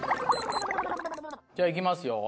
じゃあいきますよ。